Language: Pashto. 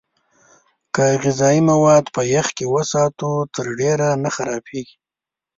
که غذايي مواد په يخ کې وساتو، تر ډېره نه خرابېږي.